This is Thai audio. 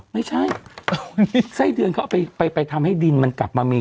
ไม่ใช่ไส้เดือนเขาเอาไปไปทำให้ดินมันกลับมามี